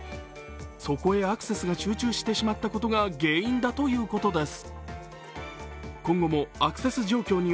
そこへアクセスが集中してしまったことが原因だということです。